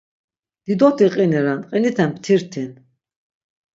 Didoti qini ren, qiniten ptirtin.